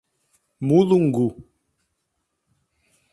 Mulungu